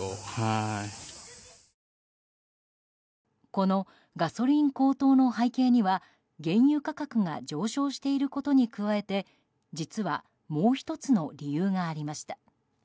このガソリン高騰の背景には原油価格が上昇していることに加えて実はもう１つの理由がありました。